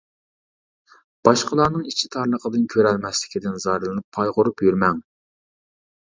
باشقىلارنىڭ ئىچى تارلىقىدىن، كۆرەلمەسلىكىدىن زارلىنىپ قايغۇرۇپ يۈرمەڭ.